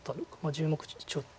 １０目ちょっと。